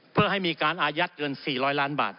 เพื่อให้มีการอายัดเงิน๔๐๐ล้านบาท